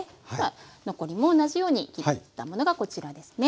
残りも同じように切ったものがこちらですね。